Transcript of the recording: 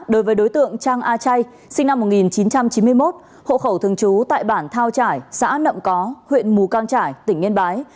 đối với đối tượng trang a chay sinh năm một nghìn chín trăm chín mươi một hộ khẩu thường trú tại bản thao trải xã nậm có huyện mù cang trải tỉnh yên bái